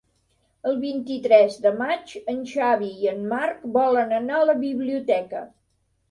El vint-i-tres de maig en Xavi i en Marc volen anar a la biblioteca.